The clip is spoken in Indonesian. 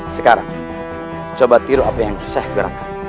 sekarang coba tiru apa yang saya gerakan